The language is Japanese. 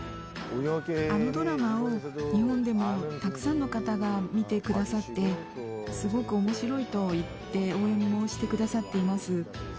あのドラマを日本でもたくさんの方が見てくださって、すごくおもしろいと言って、応援をしてくださっています。